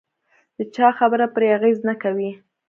د چا خبره پرې اغېز نه کوي.